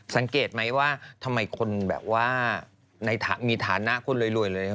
สังเกตไหมว่าทำไมคนแบบว่ามีฐานะคนรวยเลย